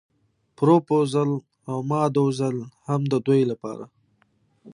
پروپوزل او ماداوزل هم د دوی لپاره.